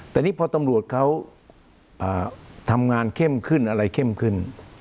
แต่นี่พอตำรวจเขาทำงานเข้มขึ้นอะไรเข้มขึ้น